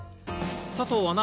佐藤アナ